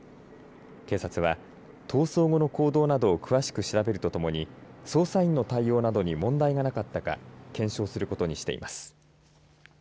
警察は、逃走後の行動などを詳しく調べるとともに捜査員の対応などに問題がなかったか検証することにしています。